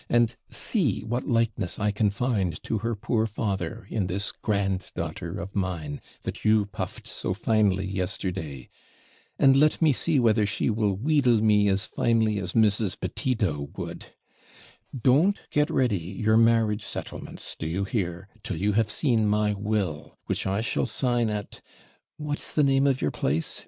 and see what likeness I can find to her poor father in this grand daughter of mine, that you puffed so finely yesterday. And let me see whether she will wheedle me as finely as Mrs. Petito would. Don't get ready your marriage settlements, do you hear, till you have seen my will, which I shall sign at what's the name of your place?